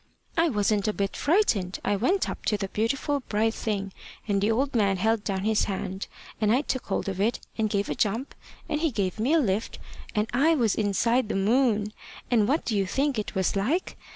I wasn't a bit frightened. I went up to the beautiful bright thing, and the old man held down his hand, and I took hold of it, and gave a jump, and he gave me a lift, and I was inside the moon. And what do you think it was like?